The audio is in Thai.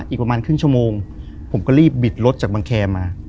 อีกประมาณครึ่งชั่วโมงผมก็รีบบิดรถจากบังแคร์มา